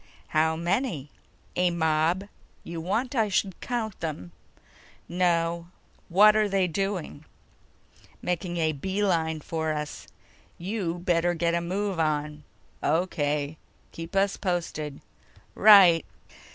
"How many?" "A mob. You want I should count them?" "No. What're they doing?" "Making a beeline for us. You better get a move on." "O.K. Keep us posted." "Right."